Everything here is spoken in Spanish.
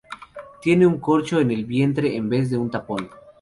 Tiene un corcho en el vientre en vez de un tapón.